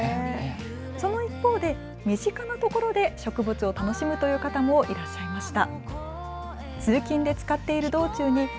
その一方で身近なところで植物を楽しむという方もいらっしゃいました。